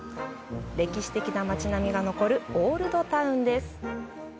歴史的な街並みが残るオールドタウンです。